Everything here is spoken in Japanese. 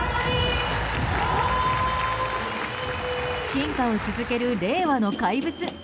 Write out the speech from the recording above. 進化を続ける令和の怪物。